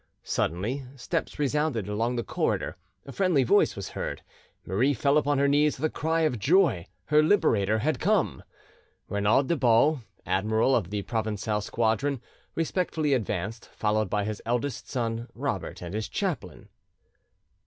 Suddenly steps resounded along the corridor; a friendly voice was heard; Marie fell upon her knees with a cry of joy: her liberator had come. Renaud des Baux, admiral of the Provencal squadron, respectfully advanced, followed by his eldest son Robert and his chaplain.